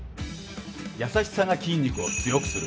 優しさが筋肉を強くする！